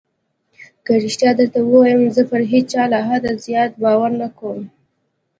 که رښتيا درته ووايم زه پر هېچا له حده زيات باور نه کوم.